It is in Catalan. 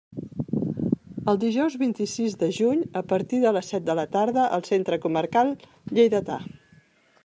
El dijous vint-i-sis de juny a partir de les set de la tarda al Centre Comarcal Lleidatà.